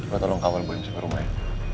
lo tolong kawal beli beli ke rumah ya